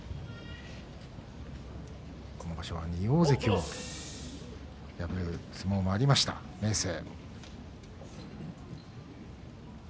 今場所は２大関を破る相撲もありました明生。